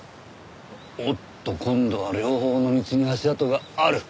おっと今度は両方の道に足跡がある。